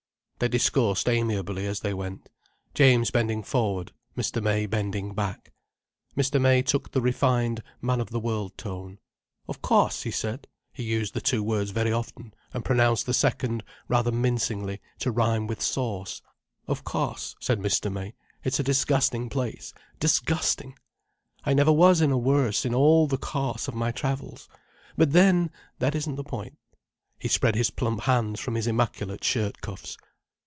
They discoursed amiably as they went, James bending forward, Mr. May bending back. Mr. May took the refined man of the world tone. "Of course," he said—he used the two words very often, and pronounced the second, rather mincingly, to rhyme with sauce: "Of course," said Mr. May, "it's a disgusting place—disgusting! I never was in a worse, in all the cauce of my travels. But then—that isn't the point—" He spread his plump hands from his immaculate shirt cuffs.